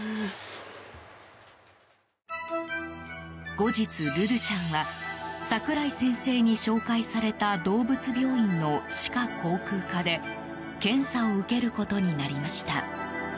後日、ルルちゃんは櫻井先生に紹介された動物病院の歯科口腔科で検査を受けることになりました。